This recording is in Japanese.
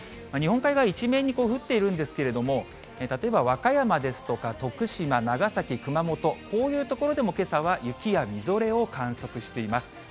日本海側一面に降っているんですけれども、例えば和歌山ですとか徳島、長崎、熊本、こういう所でもけさは雪やみぞれを観測しています。